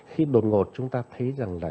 khi đột ngột chúng ta thấy rằng là